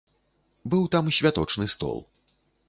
Быў там святочны стол.